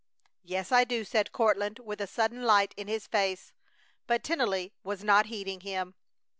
"Yes, I do," said Courtland, with a sudden light in his face, but Tennelly was not heeding him.